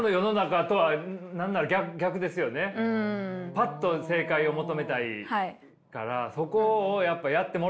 パッと正解を求めたいからそこをやっぱやってもらえないってことですか。